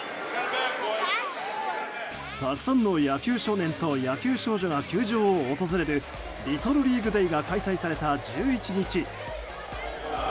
たくさんの野球少年と野球少女が球場を訪れるリトルリーグ・デーが開催された１１日。